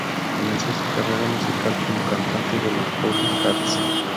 Comenzó su carrera musical como cantante de Los Bobby Cats.